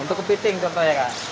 untuk kepiting tentunya kak